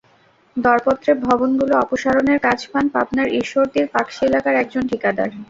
দরপত্রে ভবনগুলো অপসারণের কাজ পান পাবনার ঈশ্বরদীর পাকশী এলাকার একজন ঠিকাদার।